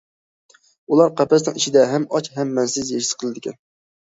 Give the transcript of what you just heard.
ئۇلار قەپەسنىڭ ئىچىدە ھەم ئاچ ھەم مەنىسىز ھېس قىلىدىكەن.